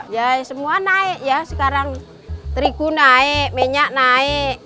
ya semua naik ya sekarang terigu naik minyak naik